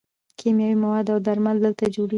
کیمیاوي مواد او درمل دلته جوړیږي.